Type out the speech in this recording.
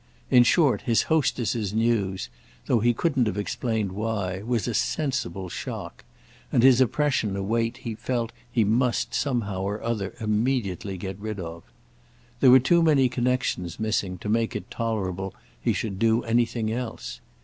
In short his hostess's news, though he couldn't have explained why, was a sensible shock, and his oppression a weight he felt he must somehow or other immediately get rid of. There were too many connexions missing to make it tolerable he should do anything else.